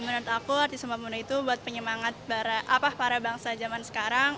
menurut aku arti sumpah pemuda itu buat penyemangat para bangsa zaman sekarang